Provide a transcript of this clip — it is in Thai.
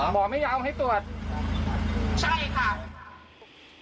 หมอไม่ยอมให้ตรวจเหรอ